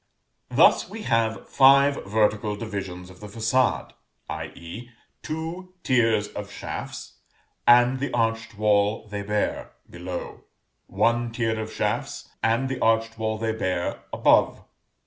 Thus we have five vertical divisions of the façade; i.e. two tiers of shafts, and the arched wall they bear, below; one tier of shafts, and the arched wall they bear, above.